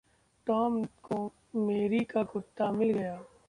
Tom को Mary का कुत्ता मिल गया।